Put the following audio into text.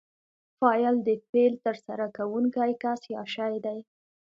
فاعل د فعل ترسره کوونکی کس یا شی دئ.